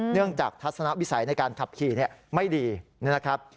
เนื่องจากทัศนวิสัยในการขับขี่ไม่ดีนะครับ